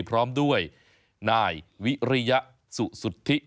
พร้อมด้วยนายวิริยสุสุทธิ